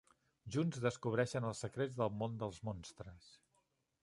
Junts descobreixen els secrets del món dels monstres.